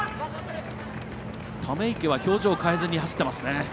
溜池は表情を変えずに走ってますよね。